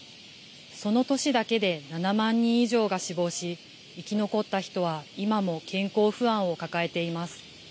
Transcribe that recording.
その年だけで７万人以上が死亡し、生き残った人は今も健康不安を抱えています。